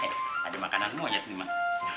eh ada makanan mu aja ini mak